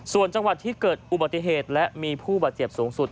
ส่วนจังหวัดที่เกิดอุบัติเหตุและมีผู้บาดเจ็บสูงสุด